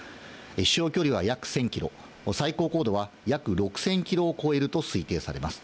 飛しょう距離は約１０００キロ、最高高度は約６０００キロを超えると推定されます。